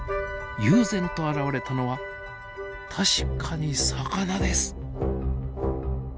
悠然と現れたのは確かに魚です。